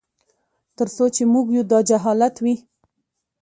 تر څو چي موږ یو داجهالت وي